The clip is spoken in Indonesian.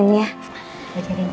untuk jadi pintar